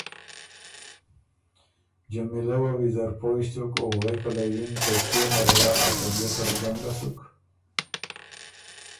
جمیلۀ وه ویزر پویٛ سُک او غوېکه له یِن که کيې مرزا ا طبیعتت ګنډه سُک